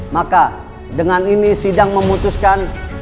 maka dengan ini sidang memutuskan